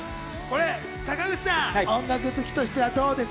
坂口さん、音楽好きとしてはどうです？